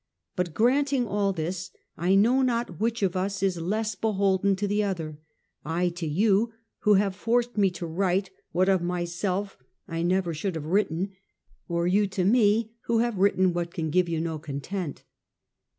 But granting all this, I know not which of us is less beholden to the other: I to you, who have forced me to write what of myself I never should have written; or you to me, who have written what can give you no content.